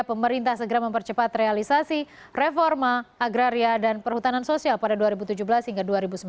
pemerintah segera mempercepat realisasi reforma agraria dan perhutanan sosial pada dua ribu tujuh belas hingga dua ribu sembilan belas